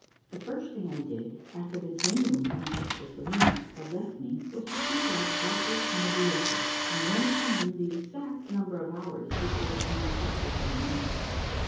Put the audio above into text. The first thing I did after the genuine princess Crystallina had left me was to seek out Doctor Nebulosus and learn from him the exact number of hours before the queen's heart would run down.